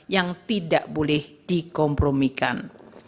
yang tidak boleh dikompromikan